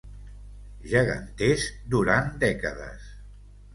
Geganters durant dècades.